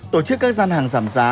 tổ chức các gian hàng giảm giá